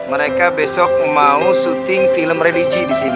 mereka besok mau syuting film religi di sini